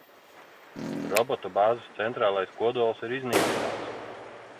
Robotu bāzes centrālais kodols ir iznīcināts.